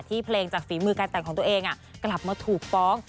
เพลงจากฝีมือการแต่งของตัวเองกลับมาถูกฟ้อง